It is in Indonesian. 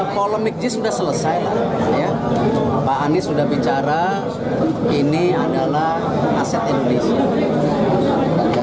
polemik jis sudah selesai lah ya pak anies sudah bicara ini adalah aset indonesia